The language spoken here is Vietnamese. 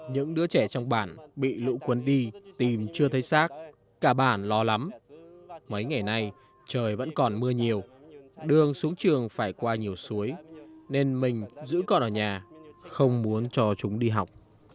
những đứa trẻ trong bản bị lũ cuốn đi tìm chưa thấy xác cả bản lo lắm mấy ngày nay trời vẫn còn mưa nhiều đường xuống trường phải qua nhiều suối nên mình giữ con ở nhà không muốn cho chúng đi học